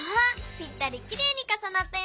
ぴったりきれいにかさなったよ！